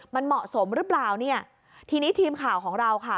มันเหมาะสมหรือเปล่าเนี่ยทีนี้ทีมข่าวของเราค่ะ